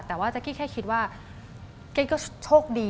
แต่ว่าแจ๊กกี้แค่คิดว่าเก้งก็โชคดี